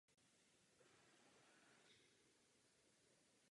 Základní hudební vzdělání získal v hudební škole "Žerotína".